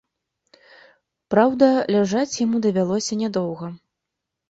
Праўда, ляжаць яму давялося нядоўга.